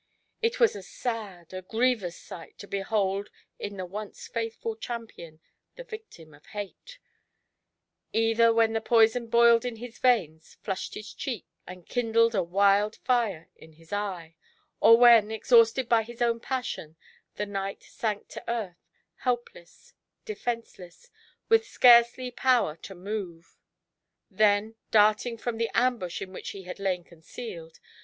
It was a sad, a grievous sight to behold in the once faithful champion the victim of Hate; either when the poison boiled in his veins, flushed his cheek, and kindled a wild fire in his eye; or when, exhausted by his own passion, the knight sank to earth, helpless, defenceless, with scarcely power to move. Then darting from the ambush in which he had lain concealed.